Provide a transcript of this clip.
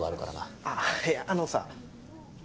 ああいやあのさ。